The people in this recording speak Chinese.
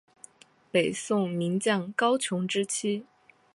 北宋名将高琼之妻。